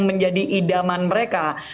menjadi idaman mereka